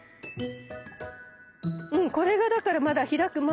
うんこれがだからまだ開く前。